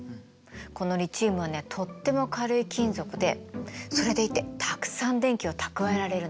このリチウムはねとっても軽い金属でそれでいてたくさん電気を蓄えられるの。